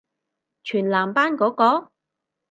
全男班嗰個？